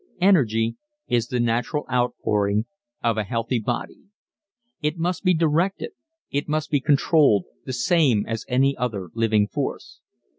Energy is the natural outpouring of a healthy body. It must be directed, it must be controlled, the same as any other living force.